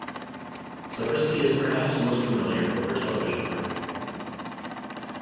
Zabriskie is perhaps most familiar for her television work.